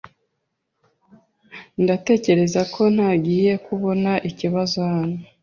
Ndatekereza ko ntangiye kubona ikibazo hano.